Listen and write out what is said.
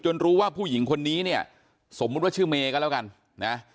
รู้ว่าผู้หญิงคนนี้เนี่ยสมมุติว่าชื่อเมย์ก็แล้วกันนะ